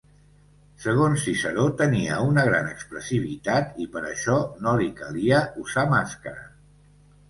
Segons Ciceró tenia una gran expressivitat i per això no li calia usar mascara.